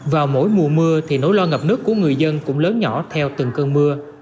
vào mỗi mùa mưa thì nỗi lo ngập nước của người dân cũng lớn nhỏ theo từng cơn mưa